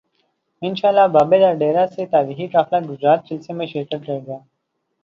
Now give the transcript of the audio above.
انشا ءاللہ بابے دا ڈیرہ سے تا ریخی قافلہ گجرات جلسہ میں شر کت کر ے گا